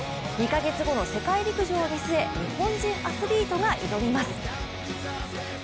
２カ月後の世界陸上を見据え日本人アスリートが挑みます。